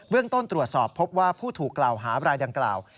เรื่องต้นตรวจสอบพบว่าผู้ถูกกล่าวหาบรายดังกล่าว